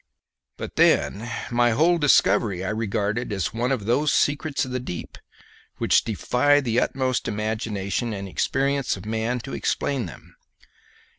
But then my whole discovery I regarded as one of those secrets of the deep which defy the utmost imagination and experience of man to explain them.